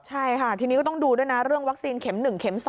ใช่ค่ะทีนี้ก็ต้องดูด้วยนะเรื่องวัคซีนเข็ม๑เข็ม๒